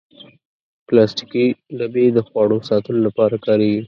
پلاستيکي ډبې د خواړو ساتلو لپاره کارېږي.